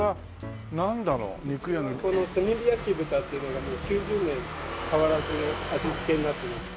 うちはこの炭火焼豚っていうのがもう９０年変わらずの味付けになっていまして。